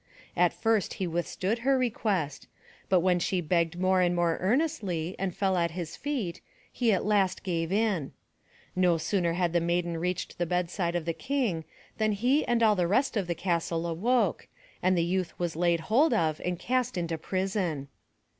At first he withstood her request, but when she begged more and more earnestly and fell at his feet, he at last gave in. No. sooner had the maiden reached the bedside of the King, than he and all the rest of the castle awoke, and the youth was laid hold of and cast into prison.